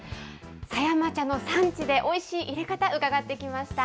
狭山茶の産地で、おいしいいれ方、伺ってきました。